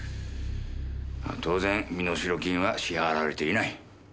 当然身代金は支払われていない。